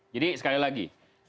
jadi sekali lagi